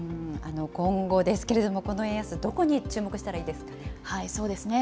今後ですけれども、この円安、どこに注目したらいいですかね？